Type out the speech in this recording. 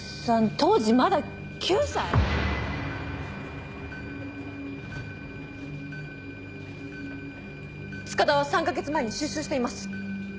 当時まだ９歳⁉塚田は３か月前に出所しています。